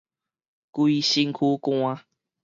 規身軀汗